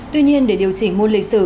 tuy nhiên để điều chỉnh môn lịch sử